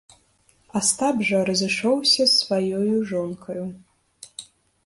Астап жа разышоўся з сваёю жонкаю.